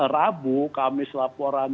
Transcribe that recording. rabu kamis laporan